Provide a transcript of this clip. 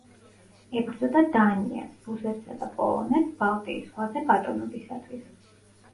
ებრძოდა დანიას, რუსეთსა და პოლონეთს ბალტიის ზღვაზე ბატონობისათვის.